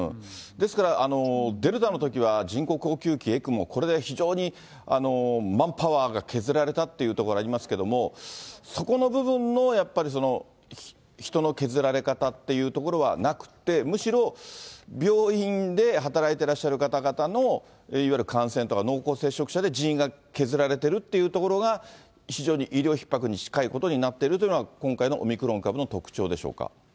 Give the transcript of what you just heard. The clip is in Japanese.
ですから、デルタのときは人工呼吸器・ＥＣＭＯ、これで非常にマンパワーが削られたというところがありますけれども、そこの部分のやっぱり人の削られ方というところはなくて、むしろ、病院で働いてらっしゃる方々の、いわゆる感染とか濃厚接触者で人員が削られているというところが、非常に医療ひっ迫に近いことになっているというのが、今回のオミクロン株の特徴でしょうか。